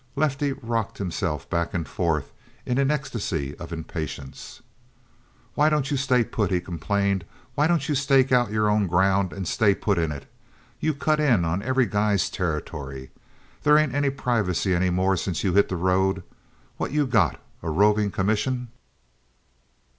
Lefty rocked himself back and forth in an ecstasy of impatience. "Why don't you stay put?" he complained. "Why don't you stake out your own ground and stay put in it? You cut in on every guy's territory. There ain't any privacy any more since you hit the road. What you got? A roving commission?"